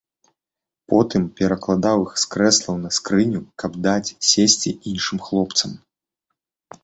Потым перакладаў іх з крэслаў на скрыню, каб даць сесці іншым хлопцам.